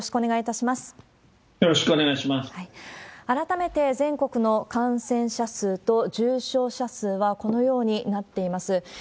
改めて全国の感染者数と重症者数は、このようになっています。